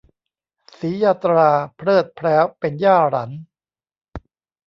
สียาตราเพริศแพร้วเป็นย่าหรัน